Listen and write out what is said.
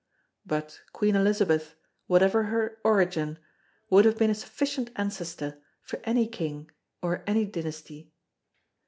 But Queen Elizabeth, whatever her origin, would have been a sufficient ancestor for any King or any Dynasty.